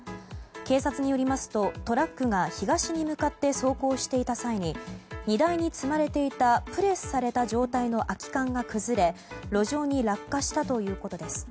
警察によりますとトラックが東に向かって走行していた際に荷台に積まれていたプレスされた状態の空き缶が崩れ路上に落下したということです。